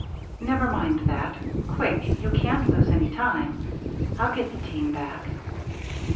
"Never mind that. Quick; you can't lose any time. I'll get the team back."